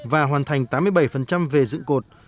và hoàn thành tám mươi bảy về dự cột